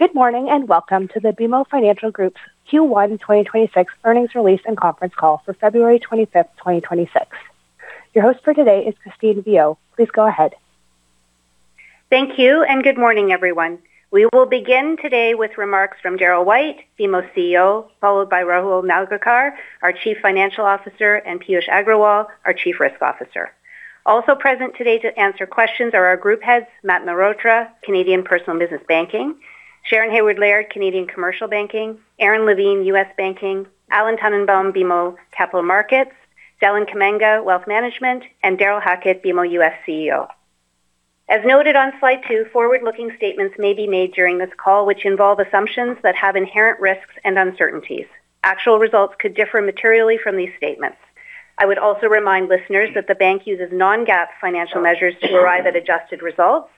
Good morning, and welcome to the BMO Financial Group's Q1 2026 earnings release and conference call for February 25, 2026. Your host for today is Christine Viau. Please go ahead. Thank you. Good morning, everyone. We will begin today with remarks from Darryl White, BMO CEO, followed by Rahul Nalgirkar, our Chief Financial Officer, and Piyush Agrawal, our Chief Risk Officer. Also present today to answer questions are our group heads, Mat Mehrotra, Canadian Personal Business Banking, Sharon Haward-Laird, Canadian Commercial Banking, Aron Levine, U.S. Banking, Alan Tannenbaum, BMO Capital Markets, Deland Kamanga, Wealth Management, and Darrel Hackett, BMO U.S. CEO. As noted on slide two, forward-looking statements may be made during this call, which involve assumptions that have inherent risks and uncertainties. Actual results could differ materially from these statements. I would also remind listeners that the bank uses non-GAAP financial measures to arrive at adjusted results.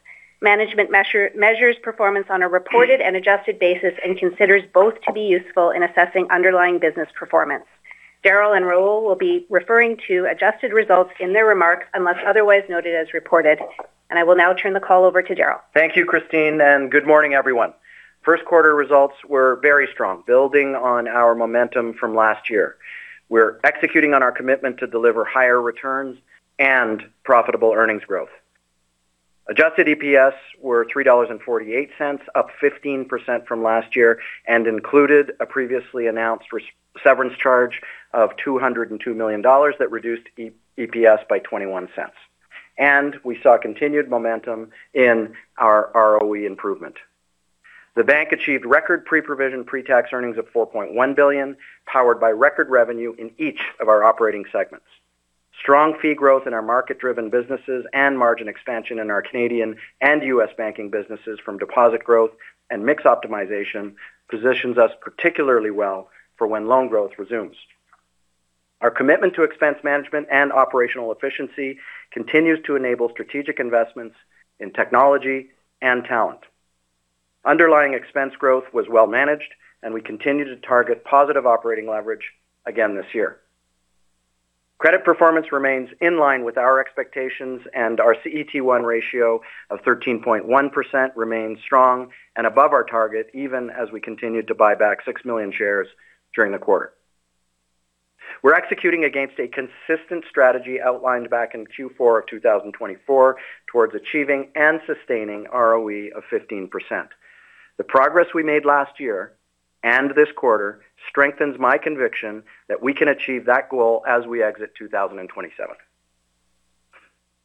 Management measures performance on a reported and adjusted basis and considers both to be useful in assessing underlying business performance. Darryl and Rahul will be referring to adjusted results in their remarks, unless otherwise noted as reported, and I will now turn the call over to Darryl. Thank you, Christine. Good morning, everyone. First quarter results were very strong, building on our momentum from last year. We're executing on our commitment to deliver higher returns and profitable earnings growth. Adjusted EPS were 3.48 dollars, up 15% from last year, and included a previously announced severance charge of 202 million dollars that reduced EPS by 0.21. We saw continued momentum in our ROE improvement. The bank achieved record pre-provision, pre-tax earnings of 4.1 billion, powered by record revenue in each of our operating segments. Strong fee growth in our market-driven businesses and margin expansion in our Canadian and U.S. banking businesses from deposit growth and mix optimization positions us particularly well for when loan growth resumes. Our commitment to expense management and operational efficiency continues to enable strategic investments in technology and talent. Underlying expense growth was well managed. We continue to target positive operating leverage again this year. Credit performance remains in line with our expectations. Our CET1 ratio of 13.1% remains strong and above our target, even as we continued to buy back 6 million shares during the quarter. We're executing against a consistent strategy outlined back in Q4 of 2024 towards achieving and sustaining ROE of 15%. The progress we made last year and this quarter strengthens my conviction that we can achieve that goal as we exit 2027.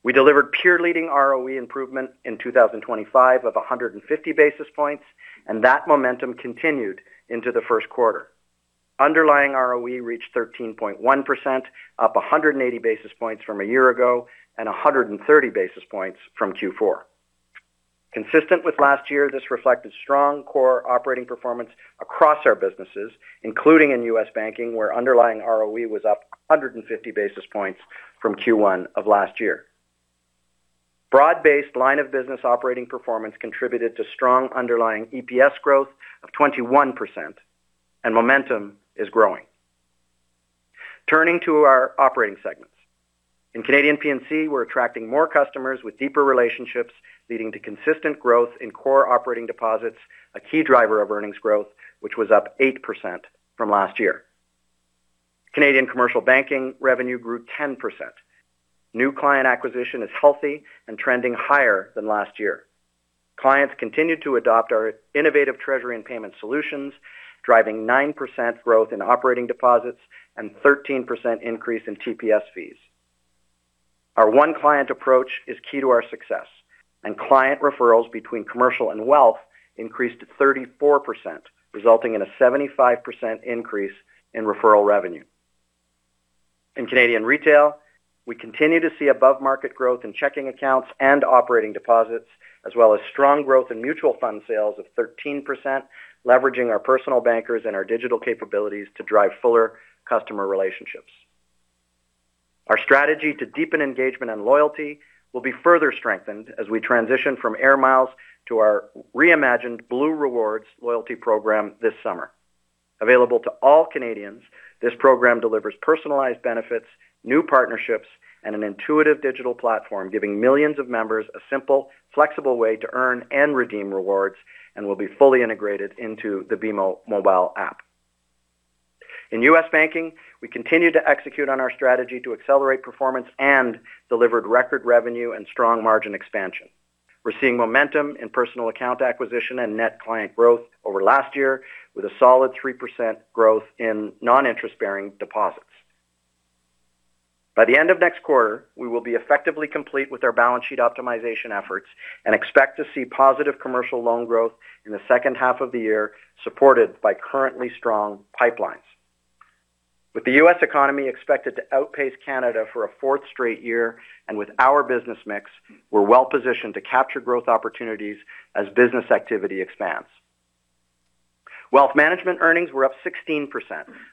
We delivered peer-leading ROE improvement in 2025 of 150 basis points. That momentum continued into the first quarter. Underlying ROE reached 13.1%, up 180 basis points from a year ago and 130 basis points from Q4. Consistent with last year, this reflected strong core operating performance across our businesses, including in U.S. banking, where underlying ROE was up 150 basis points from Q1 of last year. Broad-based line of business operating performance contributed to strong underlying EPS growth of 21%. Momentum is growing. Turning to our operating segments. In Canadian P&C, we're attracting more customers with deeper relationships, leading to consistent growth in core operating deposits, a key driver of earnings growth, which was up 8% from last year. Canadian commercial banking revenue grew 10%. New client acquisition is healthy and trending higher than last year. Clients continued to adopt our innovative treasury and payment solutions, driving 9% growth in operating deposits and 13% increase in TPS fees. Our one client approach is key to our success, and client referrals between commercial and wealth increased to 34%, resulting in a 75% increase in referral revenue. In Canadian retail, we continue to see above-market growth in checking accounts and operating deposits, as well as strong growth in mutual fund sales of 13%, leveraging our personal bankers and our digital capabilities to drive fuller customer relationships. Our strategy to deepen engagement and loyalty will be further strengthened as we transition from AIR MILES to our reimagined Blue Rewards loyalty program this summer. Available to all Canadians, this program delivers personalized benefits, new partnerships, and an intuitive digital platform, giving millions of members a simple, flexible way to earn and redeem rewards and will be fully integrated into the BMO mobile app. In U.S. banking, we continue to execute on our strategy to accelerate performance and delivered record revenue and strong margin expansion. We're seeing momentum in personal account acquisition and net client growth over last year, with a solid 3% growth in non-interest-bearing deposits. By the end of next quarter, we will be effectively complete with our balance sheet optimization efforts and expect to see positive commercial loan growth in the second half of the year, supported by currently strong pipelines. With the U.S. economy expected to outpace Canada for a fourth straight year, and with our business mix, we're well positioned to capture growth opportunities as business activity expands. Wealth management earnings were up 16%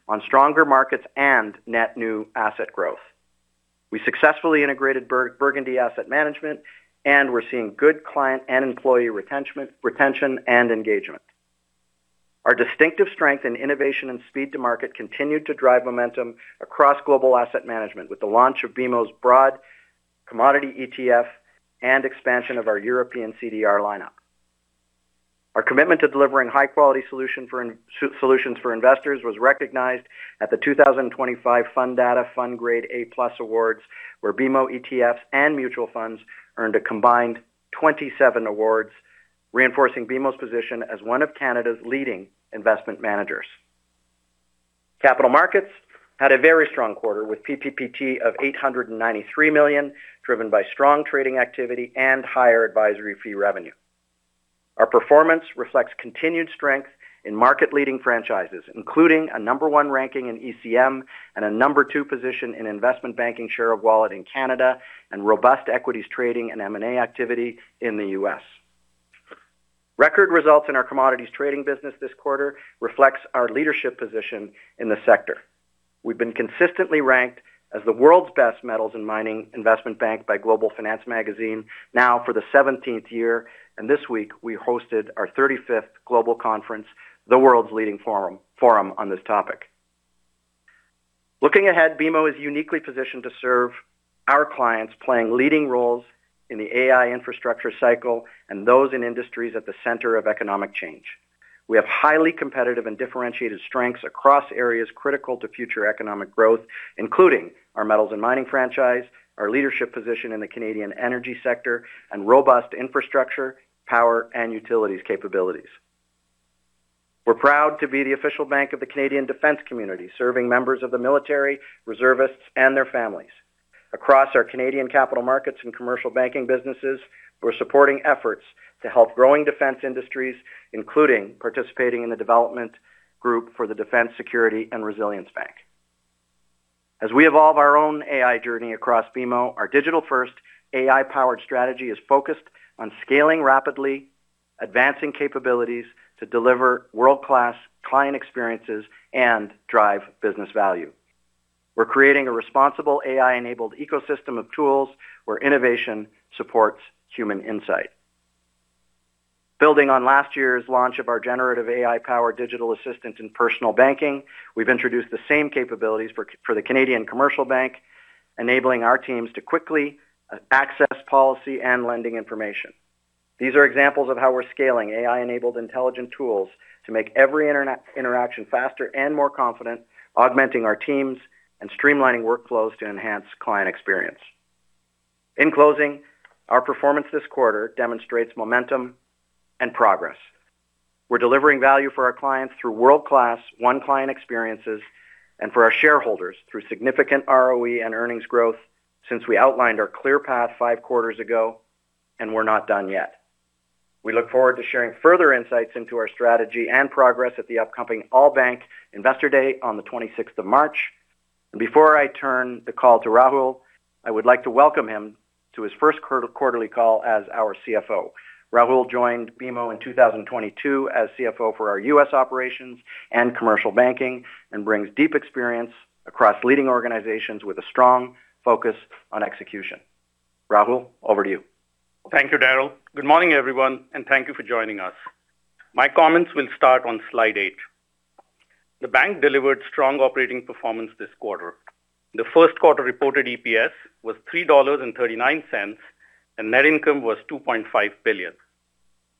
on stronger markets and net new asset growth. We successfully integrated Burgundy Asset Management, and we're seeing good client and employee retention and engagement. Our distinctive strength in innovation and speed to market continued to drive momentum across global asset management, with the launch of BMO's broad commodity ETF and expansion of our European CDR lineup. Our commitment to delivering high-quality solutions for investors was recognized at the 2025 Fundata FundGrade A+ awards, where BMO ETFs and mutual funds earned a combined 27 awards, reinforcing BMO's position as one of Canada's leading investment managers. Capital markets had a very strong quarter, with PPPT of 893 million, driven by strong trading activity and higher advisory fee revenue. Our performance reflects continued strength in market-leading franchises, including a number one ranking in ECM and a number two position in investment banking share of wallet in Canada, and robust equities trading and M&A activity in the US. Record results in our commodities trading business this quarter reflects our leadership position in the sector. We've been consistently ranked as the world's best metals and mining investment bank by Global Finance Magazine, now for the 17th year, and this week we hosted our 35th global conference, the world's leading forum on this topic. Looking ahead, BMO is uniquely positioned to serve our clients, playing leading roles in the AI infrastructure cycle and those in industries at the center of economic change. We have highly competitive and differentiated strengths across areas critical to future economic growth, including our metals and mining franchise, our leadership position in the Canadian energy sector, and robust infrastructure, power, and utilities capabilities. We're proud to be the official bank of the Canadian defense community, serving members of the military, reservists, and their families. Across our Canadian capital markets and commercial banking businesses, we're supporting efforts to help growing defense industries, including participating in the development group for the Defense, Security and Resilience Bank. As we evolve our own AI journey across BMO, our digital-first, AI-powered strategy is focused on scaling rapidly, advancing capabilities to deliver world-class client experiences and drive business value. We're creating a responsible AI-enabled ecosystem of tools where innovation supports human insight. Building on last year's launch of our generative AI-powered digital assistant in personal banking, we've introduced the same capabilities for the Canadian Commercial Bank, enabling our teams to quickly access policy and lending information. These are examples of how we're scaling AI-enabled intelligent tools to make every interaction faster and more confident, augmenting our teams and streamlining workflows to enhance client experience. In closing, our performance this quarter demonstrates momentum and progress. We're delivering value for our clients through world-class one client experiences, and for our shareholders through significant ROE and earnings growth since we outlined our clear path five quarters ago, and we're not done yet. We look forward to sharing further insights into our strategy and progress at the upcoming BMO Investor Day on the 26th of March. Before I turn the call to Rahul, I would like to welcome him to his first quarterly call as our CFO. Rahul joined BMO in 2022 as CFO for our U.S. operations and commercial banking, and brings deep experience across leading organizations with a strong focus on execution. Rahul, over to you. Thank you, Darryl. Good morning, everyone, and thank you for joining us. My comments will start on slide eight. The bank delivered strong operating performance this quarter. The Q1 reported EPS was 3.39 dollars, and net income was 2.5 billion.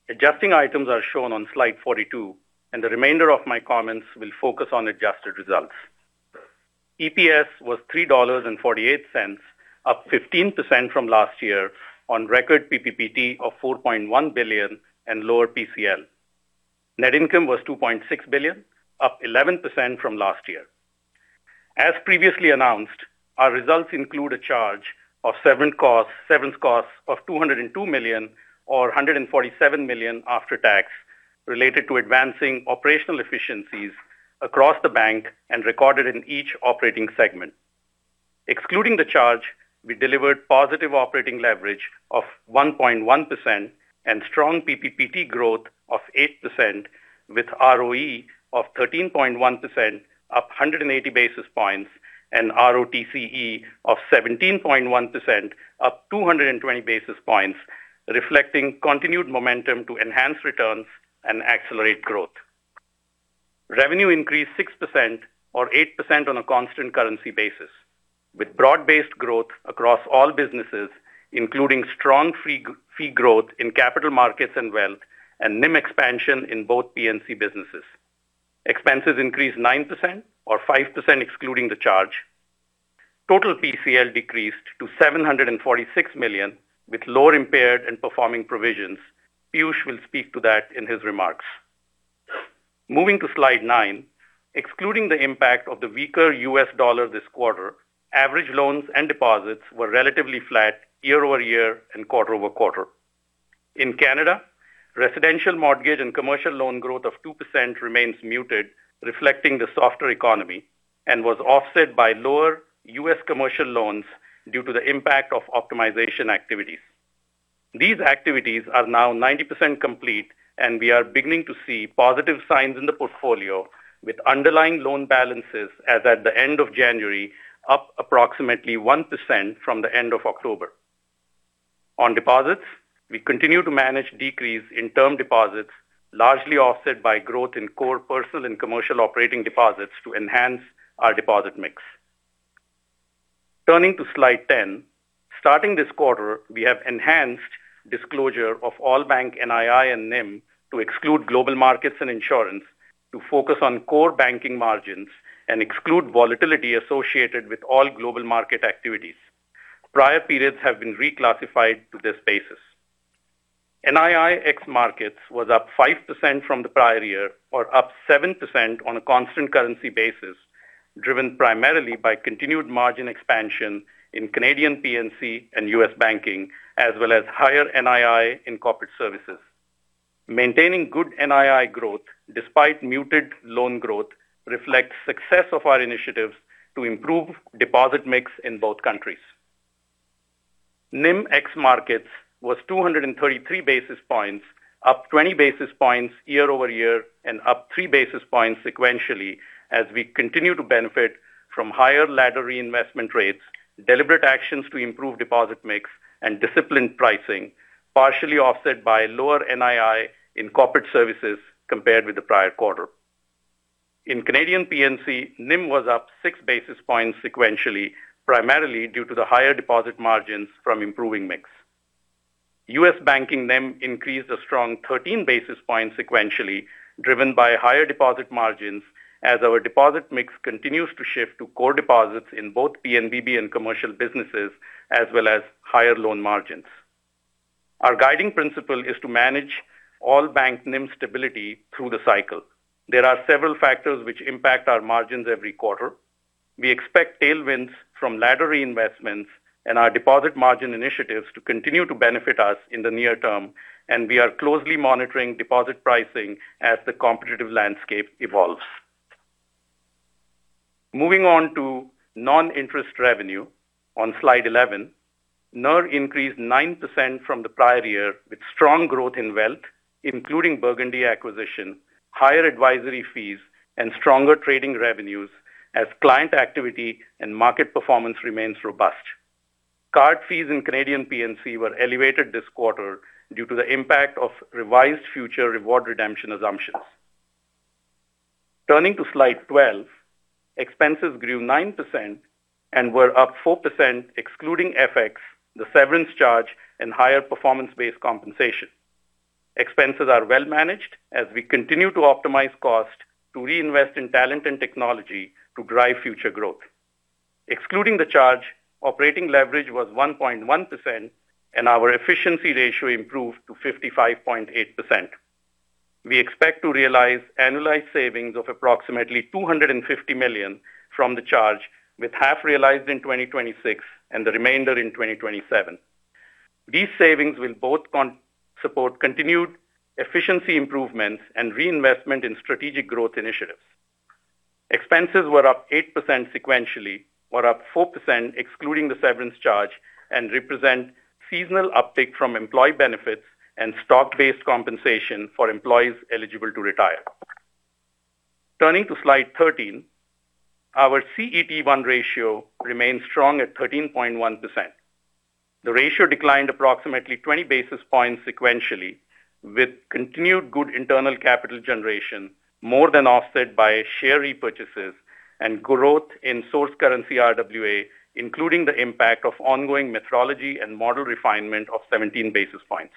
Adjusting items are shown on slide 42, and the remainder of my comments will focus on adjusted results. EPS was 3.48 dollars, up 15% from last year on record PPPT of 4.1 billion and lower PCL. Net income was 2.6 billion, up 11% from last year. As previously announced, our results include a charge of seven costs of 202 million, or 147 million after tax, related to advancing operational efficiencies across the bank and recorded in each operating segment. Excluding the charge, we delivered positive operating leverage of 1.1% and strong PPPT growth of 8%, with ROE of 13.1%, up 180 basis points, and ROTCE of 17.1%, up 220 basis points, reflecting continued momentum to enhance returns and accelerate growth. Revenue increased 6% or 8% on a constant currency basis, with broad-based growth across all businesses, including strong fee growth in Capital Markets and wealth, and NIM expansion in both P&C businesses. Expenses increased 9% or 5%, excluding the charge. Total PCL decreased to 746 million, with lower impaired and performing provisions. Piyush will speak to that in his remarks. Moving to slide nine. Excluding the impact of the weaker U.S. dollar this quarter, average loans and deposits were relatively flat year-over-year and quarter-over-quarter. In Canada, residential mortgage and commercial loan growth of 2% remains muted, reflecting the softer economy, and was offset by lower U.S. commercial loans due to the impact of optimization activities. These activities are now 90% complete, and we are beginning to see positive signs in the portfolio, with underlying loan balances as at the end of January, up approximately 1% from the end of October. On deposits, we continue to manage decrease in term deposits, largely offset by growth in core personal and commercial operating deposits to enhance our deposit mix. Turning to slide 10. Starting this quarter, we have enhanced disclosure of all bank NII and NIM to exclude global markets and insurance to focus on core banking margins and exclude volatility associated with all global market activities. Prior periods have been reclassified to this basis. NII ex markets was up 5% from the prior year or up 7% on a constant currency basis, driven primarily by continued margin expansion in Canadian P&C and U.S. banking, as well as higher NII in corporate services. Maintaining good NII growth despite muted loan growth, reflects success of our initiatives to improve deposit mix in both countries. NIM ex markets was 233 basis points, up 20 basis points year-over-year and up 3 basis points sequentially as we continue to benefit from higher ladder reinvestment rates, deliberate actions to improve deposit mix and disciplined pricing, partially offset by lower NII in corporate services compared with the prior quarter. In Canadian P&C, NIM was up 6 basis points sequentially, primarily due to the higher deposit margins from improving mix. U.S. banking NIM increased a strong 13 basis points sequentially, driven by higher deposit margins as our deposit mix continues to shift to core deposits in both P&C and commercial businesses, as well as higher loan margins. Our guiding principle is to manage all bank NIM stability through the cycle. There are several factors which impact our margins every quarter. We expect tailwinds from ladder reinvestments and our deposit margin initiatives to continue to benefit us in the near term, and we are closely monitoring deposit pricing as the competitive landscape evolves. Moving on to non-interest revenue on slide 11. NIR increased 9% from the prior year, with strong growth in wealth, including Burgundy acquisition, higher advisory fees, and stronger trading revenues as client activity and market performance remains robust. Card fees in Canadian P&C were elevated this quarter due to the impact of revised future reward redemption assumptions. Turning to slide 12. Expenses grew 9% and were up 4%, excluding FX, the severance charge, and higher performance-based compensation. Expenses are well managed as we continue to optimize cost to reinvest in talent and technology to drive future growth. Excluding the charge, operating leverage was 1.1%, and our efficiency ratio improved to 55.8%. We expect to realize annualized savings of approximately 250 million from the charge, with half realized in 2026 and the remainder in 2027. These savings will both support continued efficiency improvements and reinvestment in strategic growth initiatives. Expenses were up 8% sequentially, or up 4%, excluding the severance charge, and represent seasonal uptick from employee benefits and stock-based compensation for employees eligible to retire. Turning to slide 13. Our CET1 ratio remains strong at 13.1%. The ratio declined approximately 20 basis points sequentially, with continued good internal capital generation more than offset by share repurchases and growth in source currency RWA, including the impact of ongoing methodology and model refinement of 17 basis points.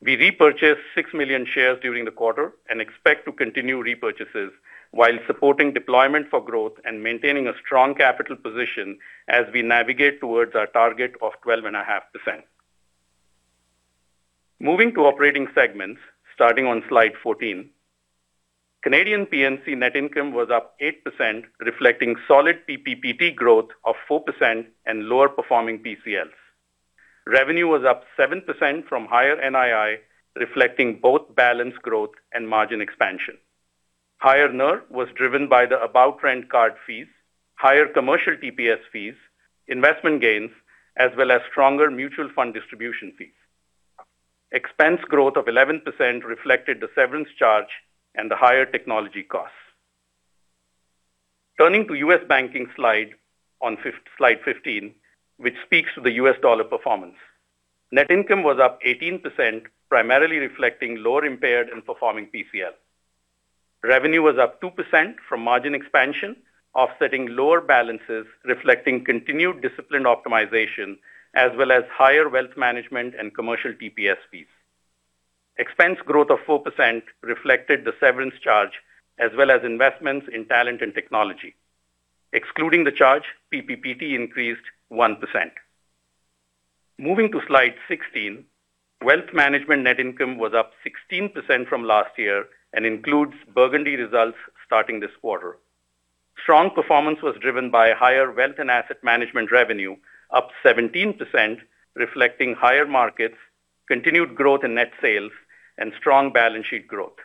We repurchased 6 million shares during the quarter and expect to continue repurchases while supporting deployment for growth and maintaining a strong capital position as we navigate towards our target of 12.5%. Moving to operating segments, starting on slide 14. Canadian P&C net income was up 8%, reflecting solid PPPT growth of 4% and lower performing PCLs. Revenue was up 7% from higher NII, reflecting both balance growth and margin expansion. Higher NIR was driven by the above-trend card fees, higher commercial TPS fees, investment gains, as well as stronger mutual fund distribution fees. Expense growth of 11% reflected the severance charge and the higher technology costs. Turning to U.S. banking slide, on slide 15, which speaks to the US dollar performance. Net income was up 18%, primarily reflecting lower impaired and performing PCL. Revenue was up 2% from margin expansion, offsetting lower balances, reflecting continued disciplined optimization as well as higher wealth management and commercial TPS fees. Expense growth of 4% reflected the severance charge, as well as investments in talent and technology. Excluding the charge, PPPD increased 1%. Moving to slide 16. Wealth management net income was up 16% from last year and includes Burgundy results starting this quarter. Strong performance was driven by higher wealth and asset management revenue, up 17%, reflecting higher markets, continued growth in net sales, and strong balance sheet growth.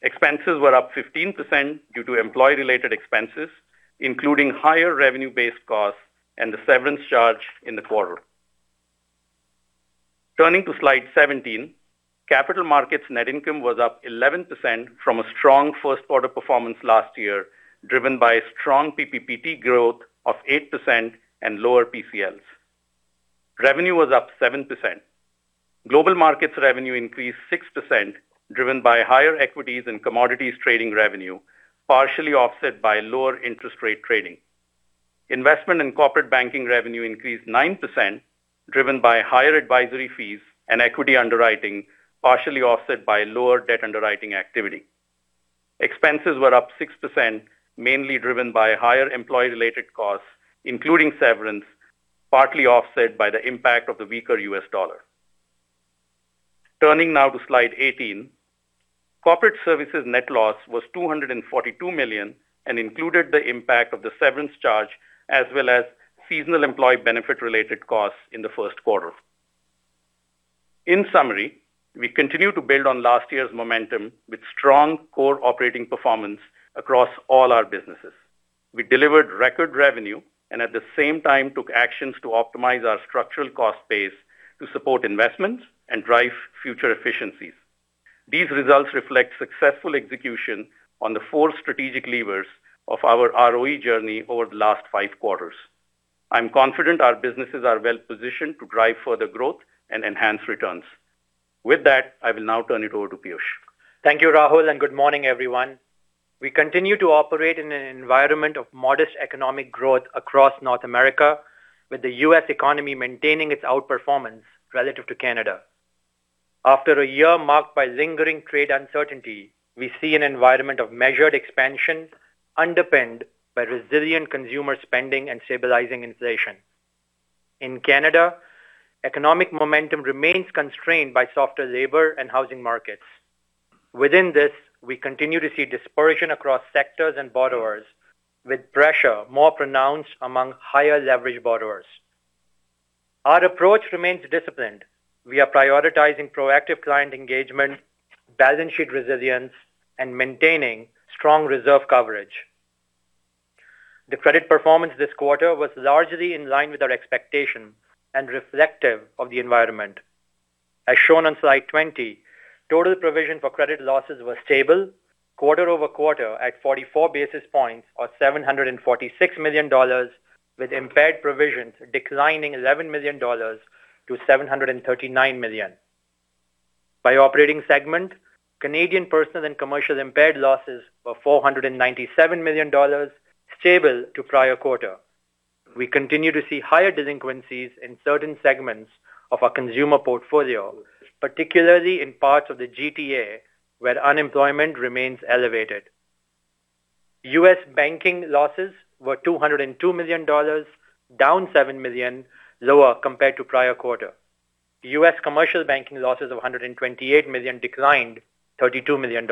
Expenses were up 15% due to employee-related expenses, including higher revenue-based costs and the severance charge in the quarter. Turning to slide 17, capital markets net income was up 11% from a strong first quarter performance last year, driven by a strong PPPT growth of 8% and lower PCLs. Revenue was up 7%. Global markets revenue increased 6%, driven by higher equities and commodities trading revenue, partially offset by lower interest rate trading. Investment in corporate banking revenue increased 9%, driven by higher advisory fees and equity underwriting, partially offset by lower debt underwriting activity. Expenses were up 6%, mainly driven by higher employee-related costs, including severance, partly offset by the impact of the weaker U.S. dollar. Turning now to slide 18. Corporate services net loss was 242 million and included the impact of the severance charge as well as seasonal employee benefit-related costs in the first quarter. In summary, we continue to build on last year's momentum with strong core operating performance across all our businesses. We delivered record revenue and at the same time took actions to optimize our structural cost base to support investments and drive future efficiencies. These results reflect successful execution on the four strategic levers of our ROE journey over the last five quarters. I'm confident our businesses are well positioned to drive further growth and enhance returns. With that, I will now turn it over to Piyush. Thank you, Rahul. Good morning, everyone. We continue to operate in an environment of modest economic growth across North America, with the U.S. economy maintaining its outperformance relative to Canada. After a year marked by lingering trade uncertainty, we see an environment of measured expansion underpinned by resilient consumer spending and stabilizing inflation. In Canada, economic momentum remains constrained by softer labor and housing markets. Within this, we continue to see dispersion across sectors and borrowers, with pressure more pronounced among higher-leverage borrowers. Our approach remains disciplined. We are prioritizing proactive client engagement, balance sheet resilience, and maintaining strong reserve coverage. The credit performance this quarter was largely in line with our expectations and reflective of the environment. As shown on slide 20, total provision for credit losses were stable quarter-over-quarter at 44 basis points or 746 million dollars, with impaired provisions declining 11 million dollars to 739 million. By operating segment, Canadian Personal and Commercial impaired losses were 497 million dollars, stable to prior quarter. We continue to see higher delinquencies in certain segments of our consumer portfolio, particularly in parts of the GTA, where unemployment remains elevated. U.S. banking losses were $202 million, down $7 million, lower compared to prior quarter. U.S. commercial banking losses of $128 million declined $32 million.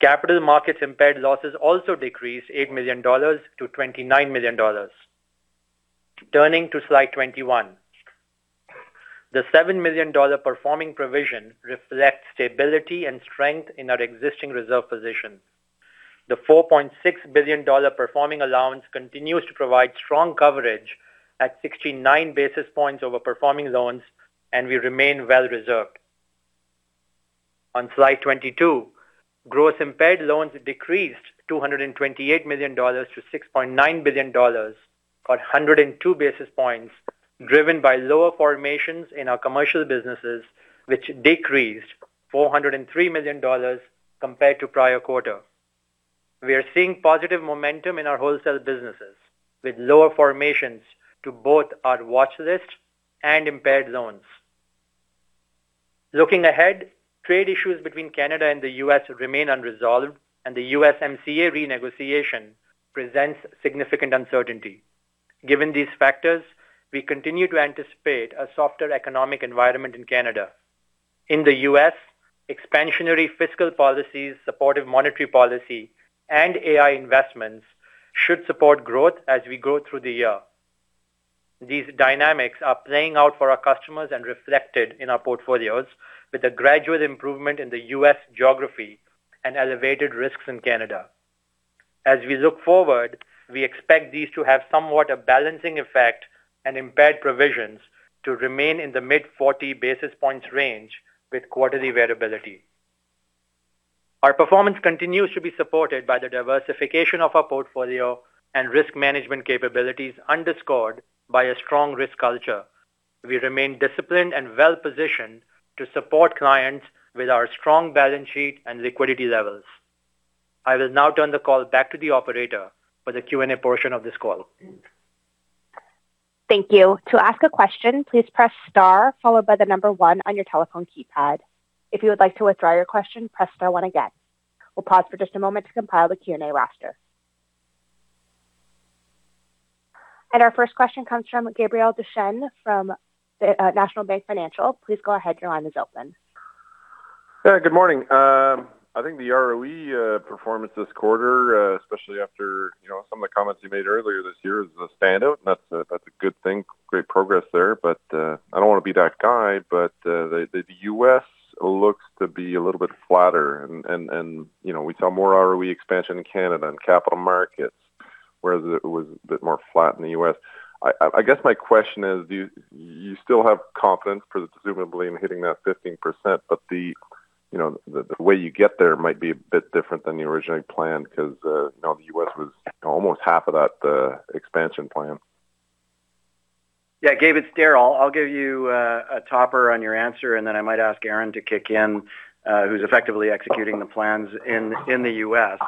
Capital Markets impaired losses also decreased 8 million dollars to 29 million dollars. Turning to slide 21. The 7 million dollar performing provision reflects stability and strength in our existing reserve position. The 4.6 billion dollar performing allowance continues to provide strong coverage at 69 basis points over performing loans. We remain well reserved. On slide 22, gross impaired loans decreased 228 million dollars to 6.9 billion dollars, or 102 basis points, driven by lower formations in our commercial businesses, which decreased 403 million dollars compared to prior quarter. We are seeing positive momentum in our wholesale businesses, with lower formations to both our watch list and impaired loans. Looking ahead, trade issues between Canada and the U.S. remain unresolved. The USMCA renegotiation presents significant uncertainty. Given these factors, we continue to anticipate a softer economic environment in Canada. In the U.S., expansionary fiscal policies, supportive monetary policy, and AI investments should support growth as we go through the year. These dynamics are playing out for our customers and reflected in our portfolios, with a gradual improvement in the U.S. geography and elevated risks in Canada. As we look forward, we expect these to have somewhat a balancing effect and impaired provisions to remain in the mid-40 basis points range with quarterly variability. Our performance continues to be supported by the diversification of our portfolio and risk management capabilities underscored by a strong risk culture. We remain disciplined and well positioned to support clients with our strong balance sheet and liquidity levels. I will now turn the call back to the operator for the Q&A portion of this call. Thank you. To ask a question, please press star followed by one on your telephone keypad. If you would like to withdraw your question, press star one again. We'll pause for just a moment to compile the Q&A roster. Our first question comes from Gabriel Dechaine from National Bank Financial. Please go ahead. Your line is open. Yeah, good morning. I think the ROE performance this quarter, especially after, you know, some of the comments you made earlier this year, is a standout, and that's a good thing. Great progress there. I don't want to be that guy, but the U.S. looks to be a little bit flatter and, you know, we saw more ROE expansion in Canada and capital markets, whereas it was a bit more flat in the U.S. I guess my question is, do you still have confidence presumably in hitting that 15%, but, you know, the way you get there might be a bit different than the originally planned, because, you know, the U.S. was almost half of that expansion plan. Yeah, Gabe, it's Darryl. I'll give you a topper on your answer, and then I might ask Aron to kick in, who's effectively executing the plans in the U.S.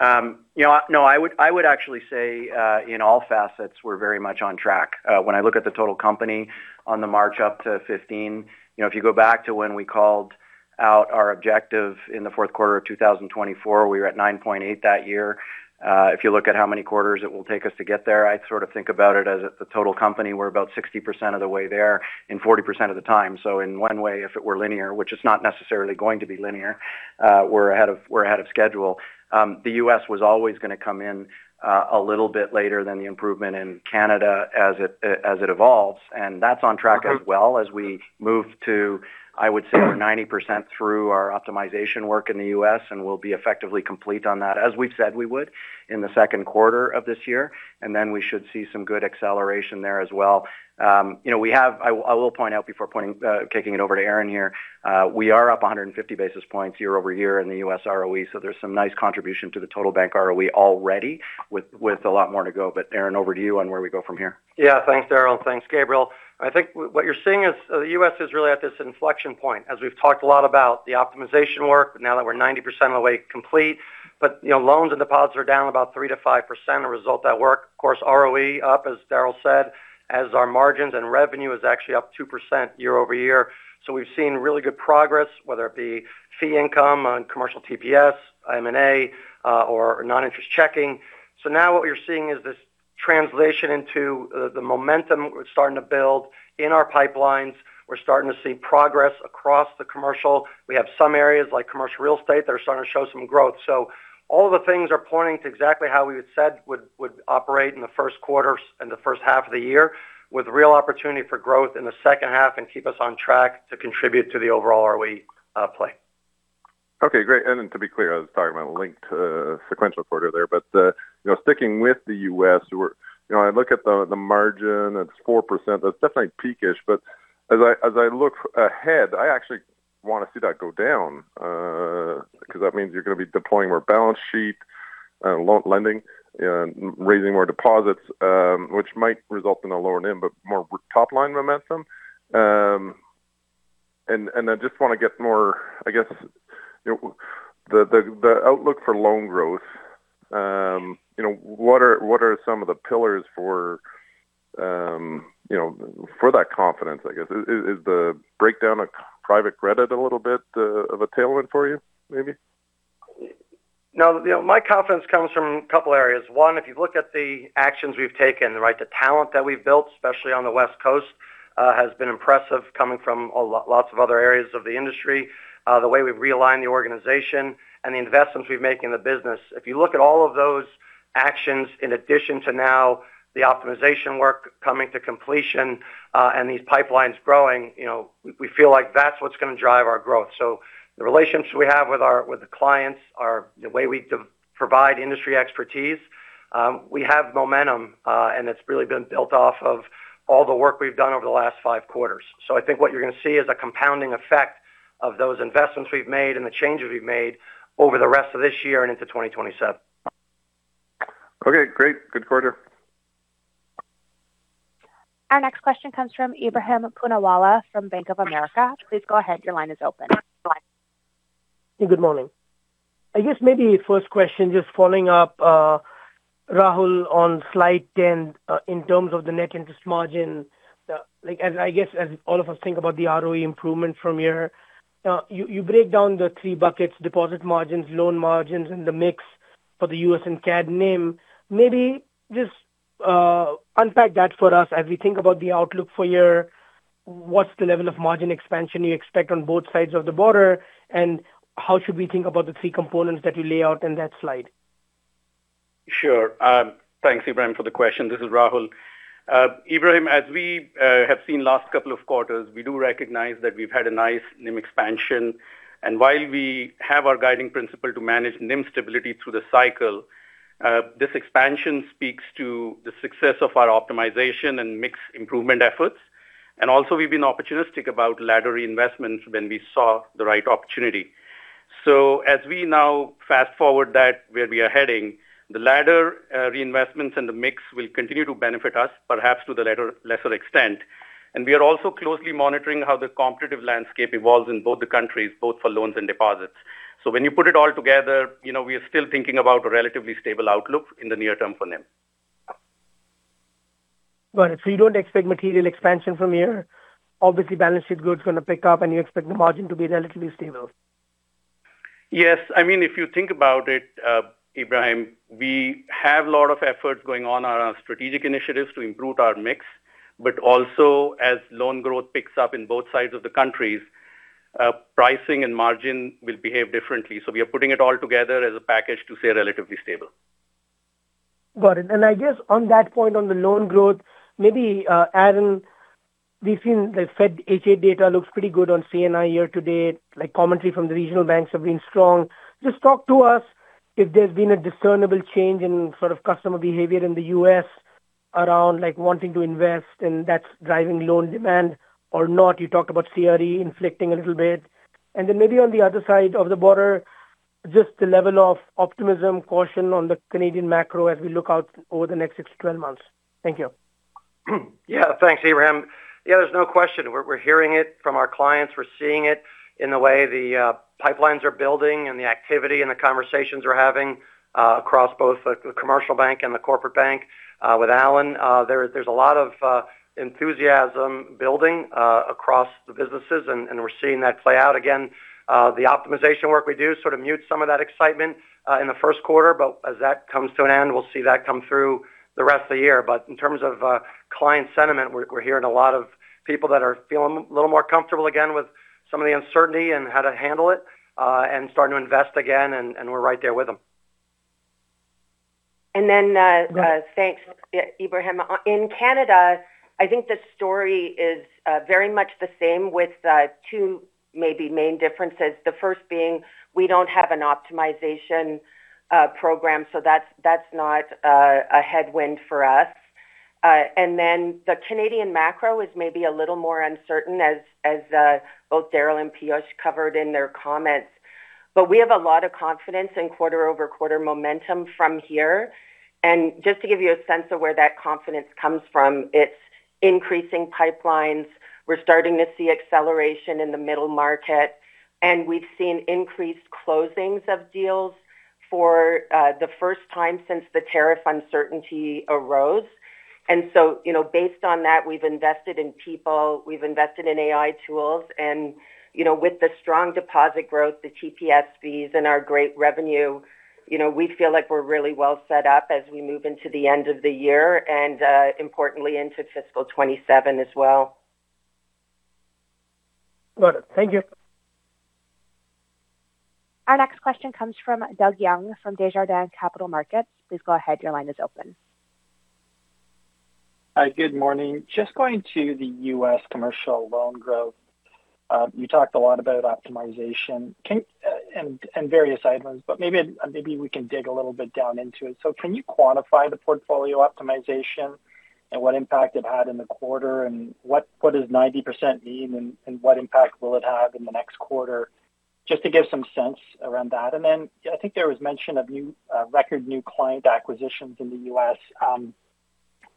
You know, no, I would actually say, in all facets, we're very much on track. When I look at the total company on the march up to 15, you know, if you go back to when we called out our objective in the fourth quarter of 2024, we were at 9.8 that year. If you look at how many quarters it will take us to get there, I sort of think about it as the total company. We're about 60% of the way there in 40% of the time. In one way, if it were linear, which is not necessarily going to be linear, we're ahead of schedule. The U.S. was always going to come in, a little bit later than the improvement in Canada as it, as it evolves, and that's on track as well as we move to, I would say, we're 90% through our optimization work in the U.S., and we'll be effectively complete on that, as we've said we would in the 2nd quarter of this year, and then we should see some good acceleration there as well. You know, I will point out before pointing, kicking it over to Aron here. We are up 150 basis points year-over-year in the U.S. ROE, so there's some nice contribution to the total bank ROE already, with a lot more to go. Aron, over to you on where we go from here. Yeah, thanks, Darryl. Thanks, Gabriel. I think what you're seeing is the U.S. is really at this inflection point, as we've talked a lot about the optimization work, now that we're 90% of the way complete. You know, loans and deposits are down about 3%-5%, a result that work. Of course, ROE up, as Darryl said, as our margins and revenue is actually up 2% year-over-year. We've seen really good progress, whether it be fee income on commercial TPS, M&A, or non-interest checking. Now what we're seeing is this translation into the momentum we're starting to build in our pipelines. We're starting to see progress across the commercial. We have some areas, like commercial real estate, that are starting to show some growth. All the things are pointing to exactly how we had said would operate in the first quarter, and the first half of the year, with real opportunity for growth in the second half and keep us on track to contribute to the overall ROE play. Okay, great. To be clear, I was talking about a linked sequential quarter there, you know, sticking with the U.S., where, you know, I look at the margin, it's 4%. That's definitely peakish, but as I look ahead, I actually want to see that go down because that means you're going to be deploying more balance sheet, loan lending and raising more deposits, which might result in a lower NIM, but more top-line momentum. I just want to get more, I guess, you know, the outlook for loan growth, you know, what are some of the pillars for, you know, for that confidence, I guess? Is the breakdown of private credit a little bit of a tailwind for you, maybe? No, you know, my confidence comes from a couple areas. One, if you look at the actions we've taken, right? The talent that we've built, especially on the West Coast, has been impressive, coming from lots of other areas of the industry, the way we've realigned the organization and the investments we've made in the business. If you look at all of those actions, in addition to now the optimization work coming to completion, and these pipelines growing, you know, we feel like that's what's going to drive our growth. The relationships we have with the clients, are the way we provide industry expertise. We have momentum, and it's really been built off of all the work we've done over the last five quarters. I think what you're going to see is a compounding effect of those investments we've made and the changes we've made over the rest of this year and into 2027. Okay, great. Good quarter. Our next question comes from Ebrahim Poonawala from Bank of America. Please go ahead. Your line is open. Good morning. I guess maybe first question, just following up, Rahul, on slide 10, in terms of the net interest margin. Like, as I guess, as all of us think about the ROE improvement from here, you break down the three buckets, deposit margins, loan margins, and the mix for the U.S. and CAD NIM. Maybe just unpack that for us as we think about the outlook for what's the level of margin expansion you expect on both sides of the border, and how should we think about the three components that you lay out in that slide? Sure. Thanks, Ebrahim, for the question. This is Rahul. Ebrahim, as we have seen last couple of quarters, we do recognize that we've had a nice NIM expansion. While we have our guiding principle to manage NIM stability through the cycle, this expansion speaks to the success of our optimization and mix improvement efforts. Also, we've been opportunistic about ladder reinvestments when we saw the right opportunity. As we now fast-forward that where we are heading, the ladder reinvestments and the mix will continue to benefit us, perhaps to the lesser extent. We are also closely monitoring how the competitive landscape evolves in both the countries, both for loans and deposits. When you put it all together, you know, we are still thinking about a relatively stable outlook in the near term for NIM. Got it. You don't expect material expansion from here? Obviously, balance sheet growth is going to pick up, and you expect the margin to be relatively stable. Yes. I mean, if you think about it, Ebrahim, we have a lot of efforts going on around strategic initiatives to improve our mix, but also, as loan growth picks up in both sides of the countries, pricing and margin will behave differently. We are putting it all together as a package to stay relatively stable. Got it. I guess on that point, on the loan growth, maybe Aron, we've seen the Fed HA data looks pretty good on C&I year to date, like commentary from the regional banks have been strong. Just talk to us if there's been a discernible change in sort of customer behavior in the U.S. around, like, wanting to invest, and that's driving loan demand or not. You talked about CRE inflicting a little bit. Then maybe on the other side of the border, just the level of optimism, caution on the Canadian macro as we look out over the next six to 12 months. Thank you. Thanks, Abraham. There's no question. We're hearing it from our clients. We're seeing it in the way the pipelines are building and the activity and the conversations we're having across both the commercial bank and the corporate bank. With Alan, there's a lot of enthusiasm building across the businesses, and we're seeing that play out. Again, the optimization work we do sort of mutes some of that excitement in the Q1, but as that comes to an end, we'll see that come through the rest of the year. In terms of client sentiment, we're hearing a lot of people that are feeling a little more comfortable again with some of the uncertainty and how to handle it and starting to invest again, and we're right there with them. And then, uh- Go ahead. Thanks, Ebrahim. In Canada, I think the story is very much the same with two maybe main differences. The first being, we don't have an optimization program, so that's not a headwind for us. The Canadian macro is maybe a little more uncertain as both Darryl and Piyush covered in their comments. We have a lot of confidence in quarter-over-quarter momentum from here. Just to give you a sense of where that confidence comes from, it's increasing pipelines. We're starting to see acceleration in the middle market, and we've seen increased closings of deals for the first time since the tariff uncertainty arose. You know, based on that, we've invested in people, we've invested in AI tools, and, you know, with the strong deposit growth, the TPS fees, and our great revenue, you know, we feel like we're really well set up as we move into the end of the year and, importantly, into fiscal 2027 as well. Got it. Thank you. Our next question comes from Doug Young from Desjardins Capital Markets. Please go ahead. Your line is open. Hi, good morning. Just going to the U.S. commercial loan growth. You talked a lot about optimization. and various items, but maybe we can dig a little bit down into it. Can you quantify the portfolio optimization and what impact it had in the quarter, and what does 90% mean, and what impact will it have in the next quarter? Just to give some sense around that. Then, I think there was mention of new record new client acquisitions in the U.S.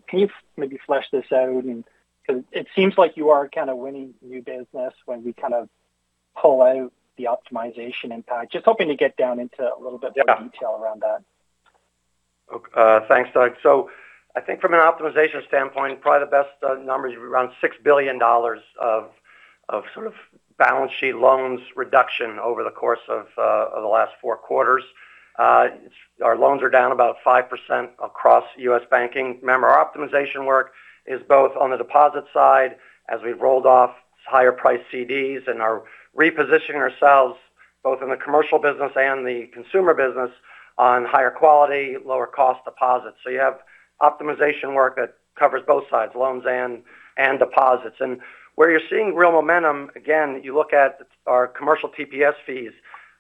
Can you maybe flesh this out? 'Cause it seems like you are kind of winning new business when we kind of pull out the optimization impact. Just hoping to get down into a little bit. Yeah Different detail around that. Okay. Thanks, Doug. I think from an optimization standpoint, probably the best number is around $6 billion of sort of balance sheet loans reduction over the course of the last four quarters. Our loans are down about 5% across U.S. banking. Remember, our optimization work is both on the deposit side, as we've rolled off higher priced CDs and are repositioning ourselves both in the commercial business and the consumer business on higher quality, lower cost deposits. You have optimization work that covers both sides, loans and deposits. Where you're seeing real momentum, again, you look at our commercial TPS fees,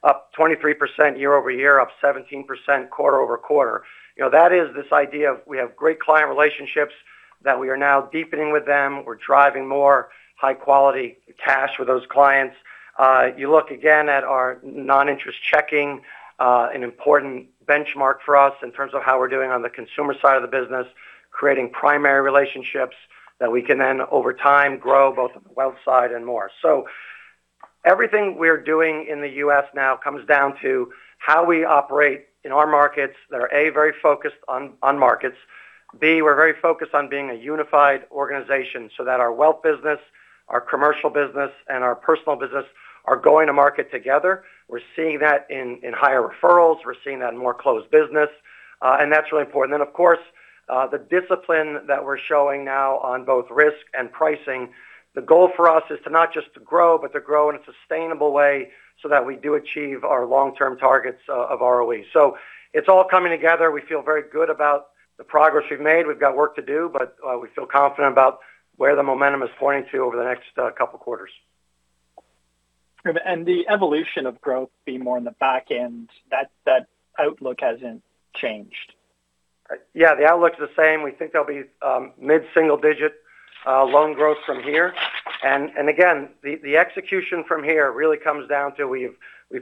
up 23% year-over-year, up 17% quarter-over-quarter. You know, that is this idea of we have great client relationships that we are now deepening with them. We're driving more high-quality cash with those clients. You look again at our non-interest checking, an important benchmark for us in terms of how we're doing on the consumer side of the business, creating primary relationships that we can then, over time, grow both on the wealth side and more. Everything we're doing in the U.S. now comes down to how we operate in our markets that are, A, very focused on markets. B, we're very focused on being a unified organization so that our wealth business, our commercial business, and our personal business are going to market together. We're seeing that in higher referrals, we're seeing that in more closed business, and that's really important. Of course, the discipline that we're showing now on both risk and pricing. The goal for us is to not just to grow, but to grow in a sustainable way so that we do achieve our long-term targets of ROE. It's all coming together. We feel very good about the progress we've made. We've got work to do, but we feel confident about where the momentum is pointing to over the next couple quarters. The evolution of growth being more on the back end, that outlook hasn't changed? Yeah, the outlook is the same. We think there'll be mid-single-digit loan growth from here. Again, the execution from here really comes down to we've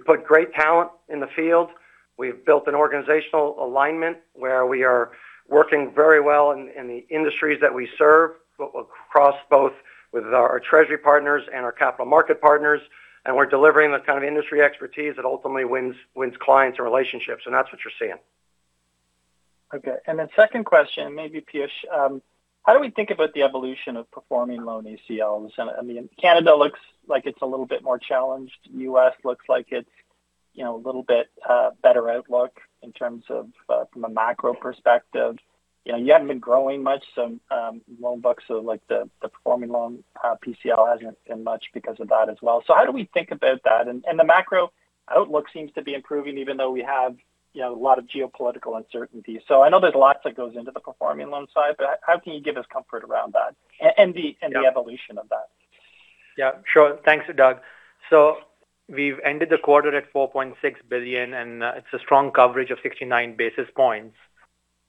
put great talent in the field. We've built an organizational alignment, where we are working very well in the industries that we serve, but across both with our treasury partners and our Capital Markets partners, and we're delivering the kind of industry expertise that ultimately wins clients and relationships, and that's what you're seeing. Okay. Second question, maybe Piyush. How do we think about the evolution of performing loan ACLs? I mean, Canada looks like it's a little bit more challenged. U.S. looks like it's, you know, a little bit better outlook in terms of from a macro perspective. You know, you haven't been growing much, so loan books, like the performing loan PCL hasn't been much because of that as well. How do we think about that? And the macro- Outlook seems to be improving, even though we have, you know, a lot of geopolitical uncertainty. I know there's lots that goes into the performing loan side, but how can you give us comfort around that? Yeah. The evolution of that? Yeah, sure. Thanks, Doug. We've ended the quarter at 4.6 billion, and it's a strong coverage of 69 basis points.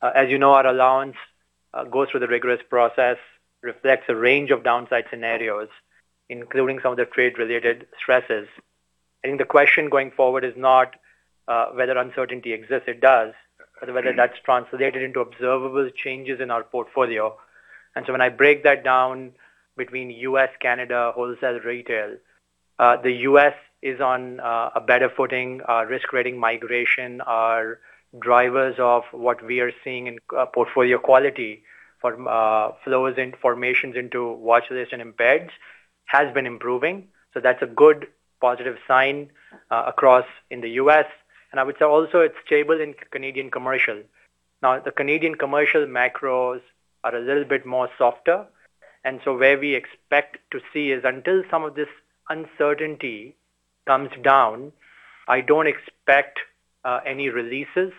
As you know, our allowance goes through the rigorous process, reflects a range of downside scenarios, including some of the trade-related stresses. I think the question going forward is not whether uncertainty exists, it does, but whether that's translated into observable changes in our portfolio. When I break that down between U.S., Canada, wholesale, retail, the U.S. is on a better footing. Our risk rating migration, our drivers of what we are seeing in portfolio quality from flows and formations into watchlist and embeds has been improving. That's a good positive sign across in the U.S., and I would say also it's stable in Canadian Commercial. The Canadian commercial macros are a little bit more softer, and so where we expect to see is until some of this uncertainty comes down, I don't expect any releases.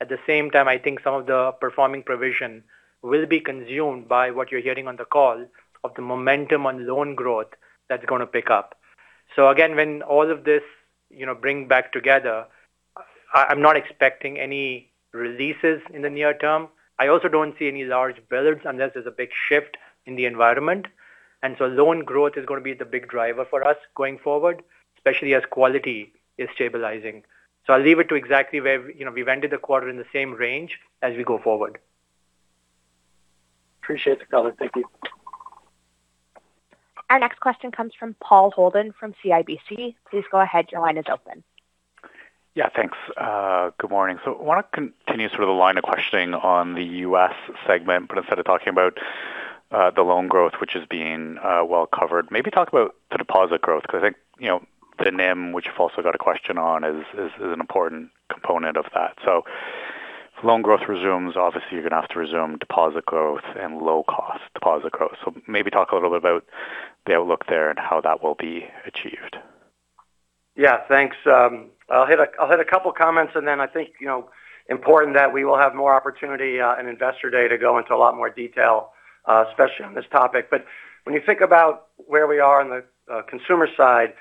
At the same time, I think some of the performing provision will be consumed by what you're hearing on the call of the momentum on loan growth that's going to pick up. Again, when all of this, you know, bring back together, I'm not expecting any releases in the near term. I also don't see any large builds unless there's a big shift in the environment, and so loan growth is going to be the big driver for us going forward, especially as quality is stabilizing. I'll leave it to exactly where you know, we've ended the quarter in the same range as we go forward. Appreciate the color. Thank you. Our next question comes from Paul Holden from CIBC. Please go ahead. Your line is open. Yeah, thanks. Good morning. I want to continue sort of the line of questioning on the U.S. segment, but instead of talking about the loan growth, which is being well covered, maybe talk about the deposit growth, because I think, you know, the NIM, which you've also got a question on, is an important component of that. If loan growth resumes, obviously you're going to have to resume deposit growth and low cost deposit growth. Maybe talk a little bit about the outlook there and how that will be achieved. Yeah, thanks. I'll hit a couple comments, and then I think, you know, important that we will have more opportunity in Investor Day to go into a lot more detail, especially on this topic. When you think about where we are on the consumer side,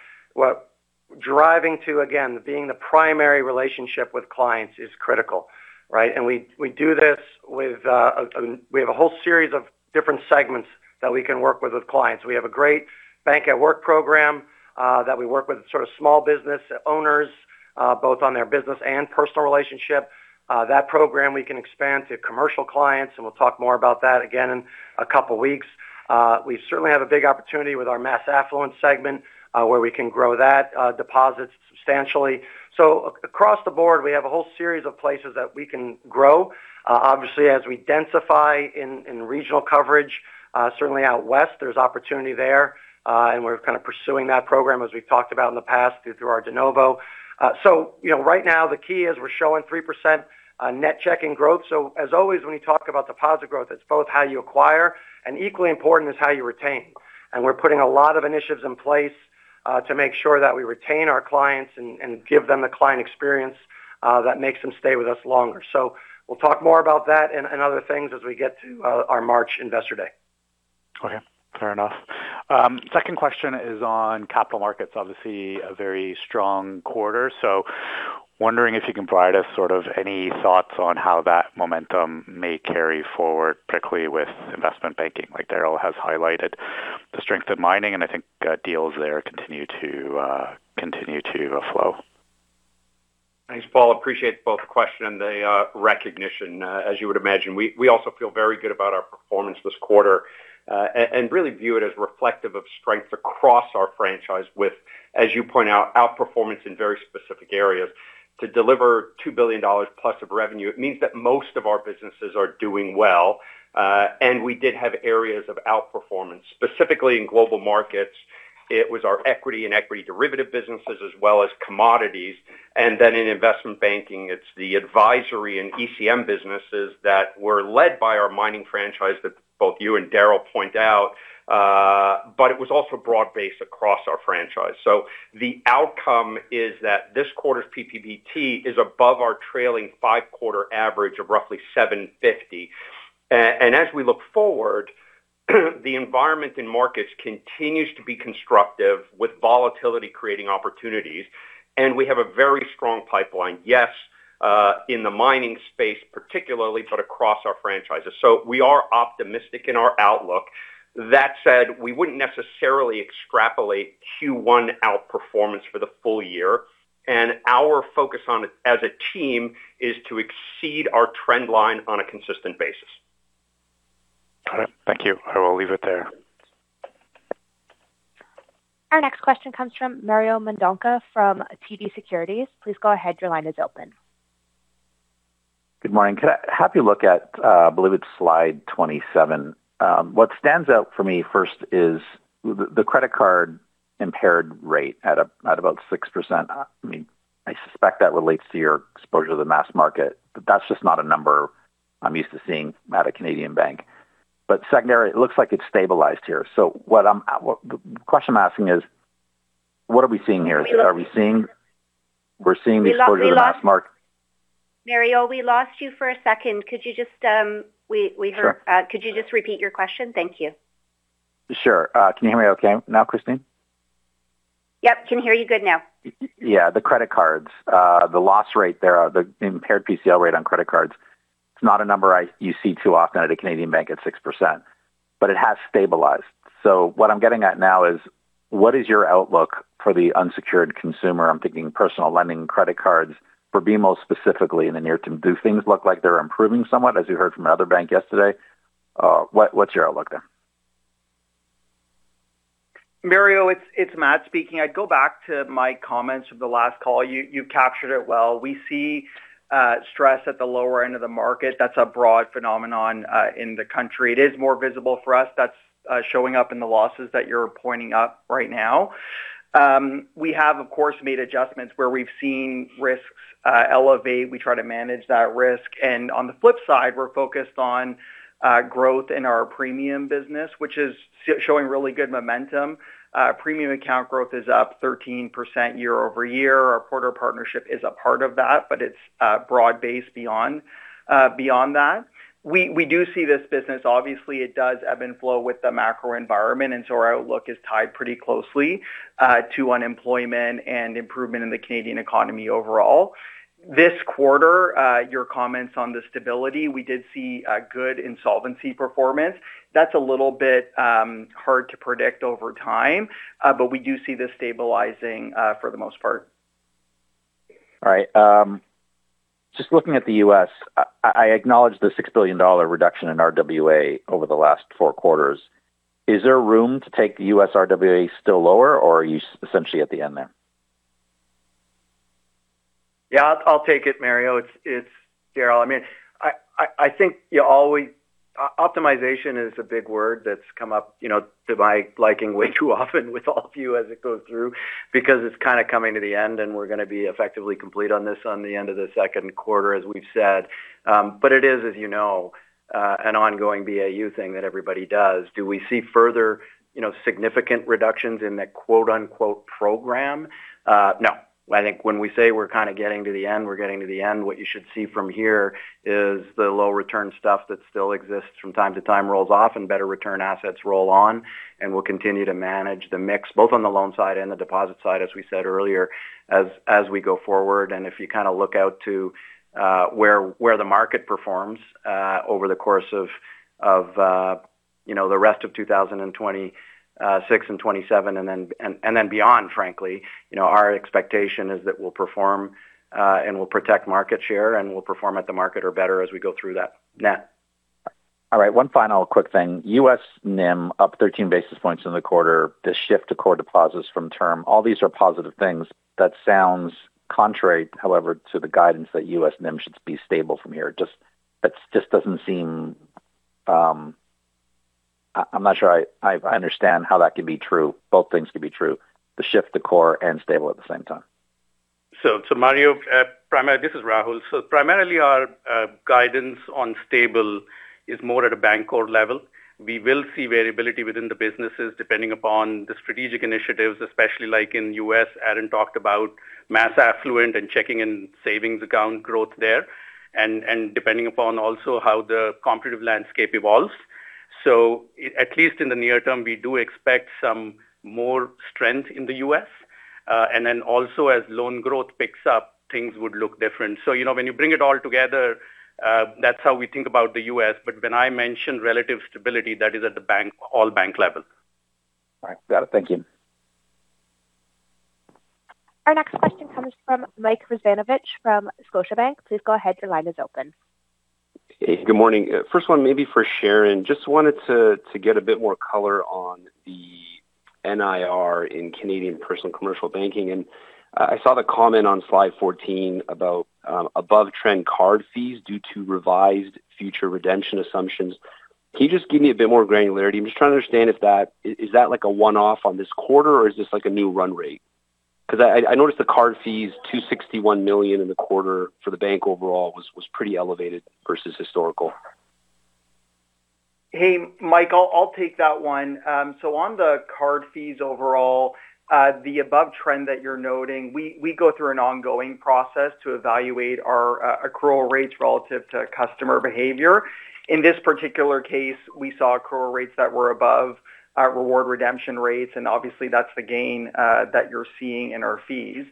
what driving to, again, being the primary relationship with clients is critical, right? We, we do this with, we have a whole series of different segments that we can work with with clients. We have a great Bank at Work program, that we work with sort of small business owners, both on their business and personal relationship. That program we can expand to commercial clients, and we'll talk more about that again in a couple weeks. We certainly have a big opportunity with our mass affluent segment, where we can grow that deposits substantially. Across the board, we have a whole series of places that we can grow. Obviously, as we densify in regional coverage, certainly out west, there's opportunity there, and we're kind of pursuing that program as we've talked about in the past through our de novo. You know, right now the key is we're showing 3% net checking growth. As always, when you talk about deposit growth, it's both how you acquire, and equally important is how you retain. We're putting a lot of initiatives in place, to make sure that we retain our clients and give them the client experience, that makes them stay with us longer. We'll talk more about that and other things as we get to our March Investor Day. Fair enough. Second question is on capital markets. Obviously, a very strong quarter, so wondering if you can provide us sort of any thoughts on how that momentum may carry forward, particularly with investment banking, like Darryl has highlighted the strength of mining, and I think, deals there continue to flow. Thanks, Paul. Appreciate both the question and the recognition. As you would imagine, we also feel very good about our performance this quarter, and really view it as reflective of strength across our franchise with, as you point out, outperformance in very specific areas. To deliver $2+ billion of revenue, it means that most of our businesses are doing well, and we did have areas of outperformance. Specifically in Global Markets, it was our equity and equity derivative businesses as well as commodities, and then in Investment Banking, it's the advisory and ECM businesses that were led by our mining franchise that both you and Darryl point out, but it was also broad-based across our franchise. The outcome is that this quarter's PPBT is above our trailing five-quarter average of roughly $750. As we look forward, the environment in markets continues to be constructive, with volatility creating opportunities, and we have a very strong pipeline. Yes, in the mining space particularly, but across our franchises. We are optimistic in our outlook. That said, we wouldn't necessarily extrapolate Q1 outperformance for the full year, and our focus on it as a team is to exceed our trend line on a consistent basis. Got it. Thank you. I will leave it there. Our next question comes from Mario Mendonca from TD Securities. Please go ahead. Your line is open. Good morning. Can I have you look at, I believe it's slide 27? What stands out for me first is the credit card impaired rate at about 6%. I suspect that relates to your exposure to the mass market, but that's just not a number I'm used to seeing at a Canadian bank. Secondary, it looks like it's stabilized here. What I'm asking is, what are we seeing here? We're seeing the exposure to the mass market- Mario, we lost you for a second. Could you just, we heard- Sure. Could you just repeat your question? Thank you. Sure. Can you hear me okay now, Christine? Yep, can hear you good now. Yeah, the credit cards, the loss rate there, the impaired PCL rate on credit cards, it's not a number you see too often at a Canadian bank at 6%, but it has stabilized. What I'm getting at now is: What is your outlook for the unsecured consumer? I'm thinking personal lending, credit cards, for BMO specifically in the near term. Do things look like they're improving somewhat, as you heard from another bank yesterday? What's your outlook there? Mario, it's Mat speaking. I'd go back to my comments from the last call. You captured it well. We see stress at the lower end of the market. That's a broad phenomenon in the country. It is more visible for us. That's showing up in the losses that you're pointing out right now. We have, of course, made adjustments where we've seen risks elevate. We try to manage that risk. On the flip side, we're focused on growth in our premium business, which is showing really good momentum. Premium account growth is up 13% year-over-year. Our Porter partnership is a part of that. It's broad-based beyond beyond that. We do see this business. Obviously, it does ebb and flow with the macro environment. Our outlook is tied pretty closely to unemployment and improvement in the Canadian economy overall. This quarter, your comments on the stability, we did see a good insolvency performance. That's a little bit hard to predict over time, but we do see this stabilizing for the most part. All right. Just looking at the U.S., I acknowledge the $6 billion reduction in RWA over the last four quarters. Is there room to take the U.S. RWA still lower, or are you essentially at the end there? I'll take it, Mario. It's Darryl. I mean, I think you always optimization is a big word that's come up, you know, to my liking, way too often with all of you as it goes through, because it's kind of coming to the end, and we're going to be effectively complete on this on the end of the second quarter, as we've said. It is, as you know, an ongoing BAU thing that everybody does. Do we see further, you know, significant reductions in the quote-unquote program? No. I think when we say we're kind of getting to the end, we're getting to the end. What you should see from here is the low return stuff that still exists from time to time, rolls off and better return assets roll on, and we'll continue to manage the mix, both on the loan side and the deposit side, as we said earlier, as we go forward. If you kind of look out to where the market performs over the course of, you know, the rest of 2026 and 2027 and then beyond, frankly, you know, our expectation is that we'll perform and we'll protect market share, and we'll perform at the market or better as we go through that net. All right, one final quick thing. U.S. NIM up 13 basis points in the quarter, the shift to core deposits from term. All these are positive things. That sounds contrary, however, to the guidance that U.S. NIM should be stable from here. That just doesn't seem. I'm not sure I understand how that can be true, both things can be true, the shift to core and stable at the same time. Mario, this is Rahul. Primarily our guidance on stable is more at a bank core level. We will see variability within the businesses, depending upon the strategic initiatives, especially like in U.S., Aron talked about mass affluent and checking and savings account growth there, and depending upon also how the competitive landscape evolves. At least in the near term, we do expect some more strength in the U.S., and then also as loan growth picks up, things would look different. You know, when you bring it all together, that's how we think about the U.S. When I mention relative stability, that is at the bank, all bank level. All right. Got it. Thank you. Our next question comes from Mike Rizvanovic from Scotiabank. Please go ahead. Your line is open. Good morning. First one, maybe for Sharon. Just wanted to get a bit more color on the NIR in Canadian Personal and Commercial Banking. I saw the comment on slide 14 about above-trend card fees due to revised future redemption assumptions. Can you just give me a bit more granularity? I'm just trying to understand if that is that like a one-off on this quarter, or is this like a new run rate? I noticed the card fees, 261 million in the quarter for the Bank overall was pretty elevated versus historical. Hey, Mike, I'll take that one. On the card fees overall, the above trend that you're noting, we go through an ongoing process to evaluate our accrual rates relative to customer behavior. In this particular case, we saw accrual rates that were above our reward redemption rates, and obviously that's the gain that you're seeing in our fees.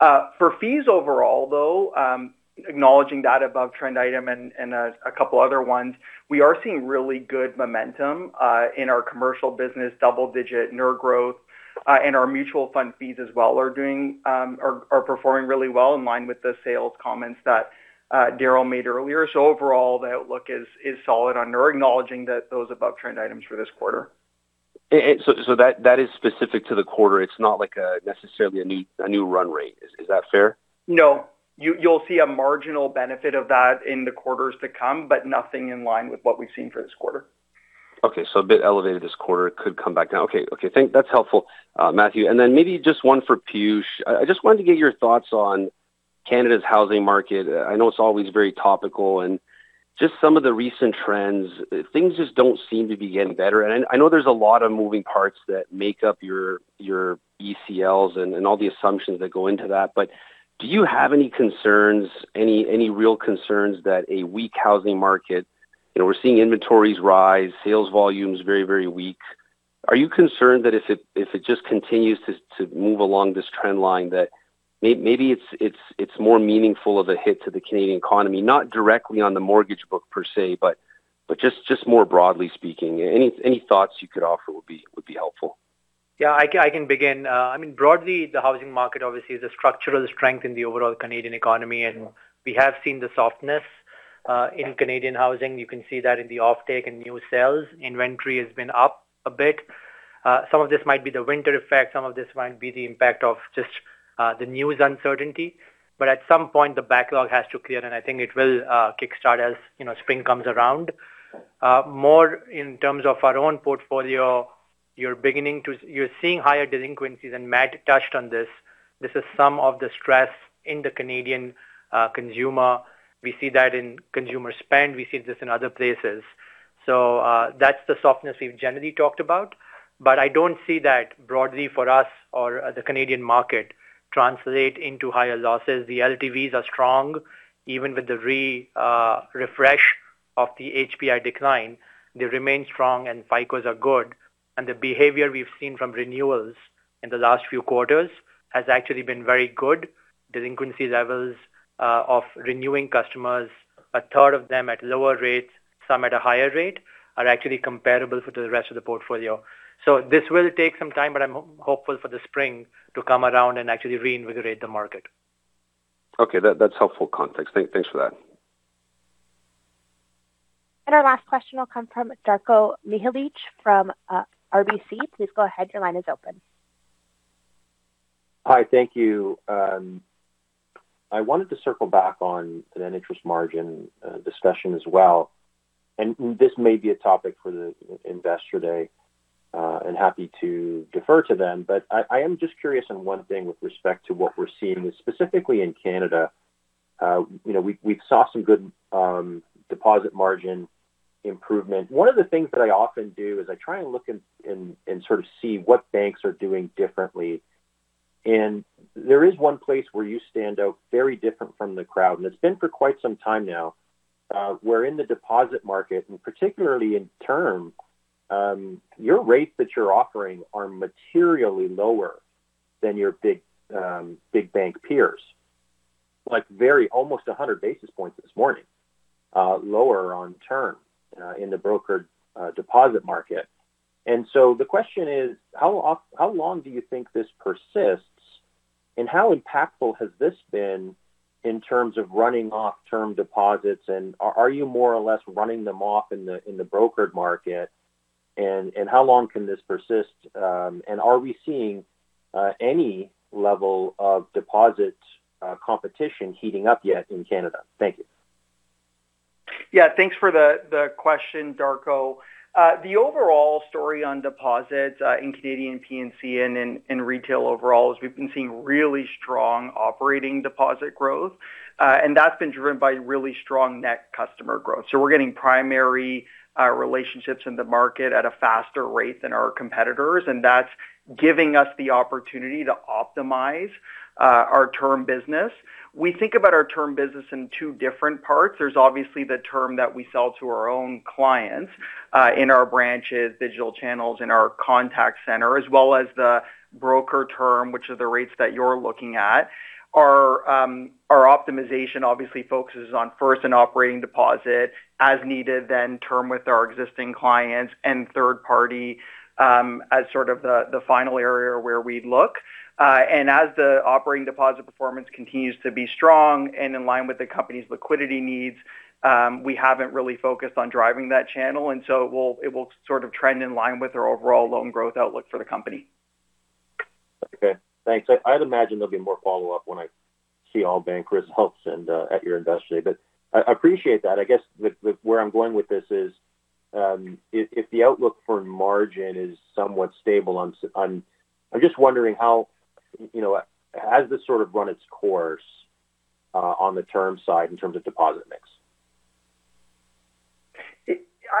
For fees overall, though, acknowledging that above-trend item and a couple other ones, we are seeing really good momentum in our commercial business, double-digit NIR growth, and our mutual fund fees as well are performing really well in line with the sales comments that Darryl made earlier. Overall, the outlook is solid on NIR, acknowledging that those above-trend items for this quarter. That is specific to the quarter. It's not like a necessarily a new run rate. Is that fair? No. You'll see a marginal benefit of that in the quarters to come, but nothing in line with what we've seen for this quarter. A bit elevated this quarter. It could come back down. Okay. Okay, thank-- that's helpful, Matthew. Then maybe just one for Piyush. I just wanted to get your thoughts on. Canada's housing market. I know it's always very topical, just some of the recent trends, things just don't seem to be getting better. I know there's a lot of moving parts that make up your ECLs and all the assumptions that go into that. Do you have any concerns, any real concerns that a weak housing market? You know, we're seeing inventories rise, sales volumes very, very weak. Are you concerned that if it just continues to move along this trend line, that maybe it's more meaningful of a hit to the Canadian economy? Not directly on the mortgage book per se, but just more broadly speaking. Any thoughts you could offer would be helpful. Yeah, I can begin. I mean, broadly, the housing market obviously is a structural strength in the overall Canadian economy. We have seen the softness in Canadian housing. You can see that in the offtake and new sales. Inventory has been up a bit. Some of this might be the winter effect, some of this might be the impact of just the news uncertainty. At some point the backlog has to clear. I think it will kickstart as, you know, spring comes around. More in terms of our own portfolio, you're seeing higher delinquencies. Mat touched on this. This is some of the stress in the Canadian consumer. We see that in consumer spend, we see this in other places. That's the softness we've generally talked about. I don't see that broadly for us or the Canadian market translate into higher losses. The LTVs are strong. Even with the refresh of the HPI decline, they remain strong and FICOs are good. The behavior we've seen from renewals in the last few quarters has actually been very good. Delinquency levels of renewing customers, a third of them at lower rates, some at a higher rate, are actually comparable to the rest of the portfolio. This will take some time, but I'm hopeful for the spring to come around and actually reinvigorate the market. Okay, that's helpful context. Thanks for that. Our last question will come from Darko Mihelic from RBC. Please go ahead, your line is open. Hi, thank you. I wanted to circle back on to net interest margin discussion as well. This may be a topic for the BMO Investor Day, and happy to defer to them, but I am just curious on one thing with respect to what we're seeing, specifically in Canada. You know, we saw some good deposit margin improvement. One of the things that I often do is I try and look and sort of see what banks are doing differently. There is one place where you stand out very different from the crowd, and it's been for quite some time now, where in the deposit market, and particularly in term, your rates that you're offering are materially lower than your big bank peers. Like very almost 100 basis points this morning, lower on term, in the brokered deposit market. The question is: how long do you think this persists, and how impactful has this been in terms of running off term deposits? Are you more or less running them off in the brokered market? How long can this persist? Are we seeing any level of deposit competition heating up yet in Canada? Thank you. Yeah, thanks for the question, Darko. The overall story on deposits in Canadian P&C and in retail overall, is we've been seeing really strong operating deposit growth, that's been driven by really strong net customer growth. We're getting primary relationships in the market at a faster rate than our competitors, that's giving us the opportunity to optimize our term business. We think about our term business in two different parts. There's obviously the term that we sell to our own clients in our branches, digital channels, in our contact center, as well as the broker term, which are the rates that you're looking at. Our optimization obviously focuses on first and operating deposit as needed, then term with our existing clients, and third party as sort of the final area where we'd look. As the operating deposit performance continues to be strong and in line with the company's liquidity needs, we haven't really focused on driving that channel, and so it will sort of trend in line with our overall loan growth outlook for the company. Okay, thanks. I'd imagine there'll be more follow-up when I see all bank results and at your Investor Day. I appreciate that. I guess the where I'm going with this is, if the outlook for margin is somewhat stable on I'm just wondering how, you know, has this sort of run its course on the term side in terms of deposit mix?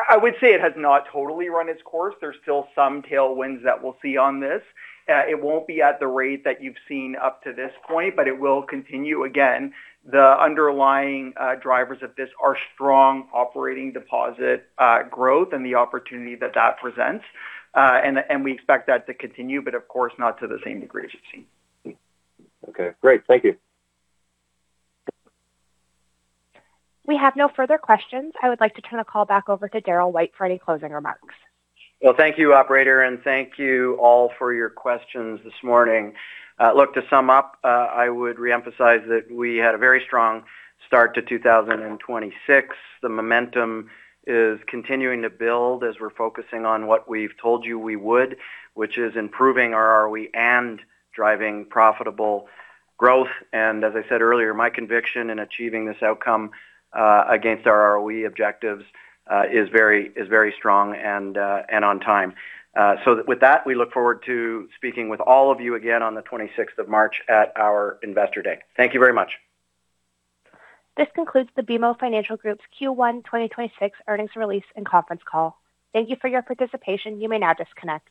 I would say it has not totally run its course. There's still some tailwinds that we'll see on this. It won't be at the rate that you've seen up to this point, but it will continue. Again, the underlying drivers of this are strong operating deposit growth and the opportunity that that presents. And we expect that to continue, but of course, not to the same degree as you've seen. Okay, great. Thank you. We have no further questions. I would like to turn the call back over to Darryl White for any closing remarks. Well, thank you, operator, and thank you all for your questions this morning. Look, to sum up, I would reemphasize that we had a very strong start to 2026. The momentum is continuing to build as we're focusing on what we've told you we would, which is improving our ROE and driving profitable growth. As I said earlier, my conviction in achieving this outcome, against our ROE objectives, is very strong and on time. With that, we look forward to speaking with all of you again on the 26th of March at our Investor Day. Thank you very much. This concludes the BMO Financial Group's Q1 2026 earnings release and conference call. Thank you for your participation. You may now disconnect.